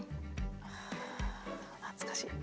あ懐かしい。